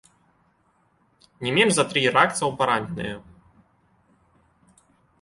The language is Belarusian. Не менш за тры іракцаў параненыя.